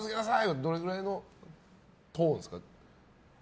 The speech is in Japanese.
はどれぐらいのトーンですか？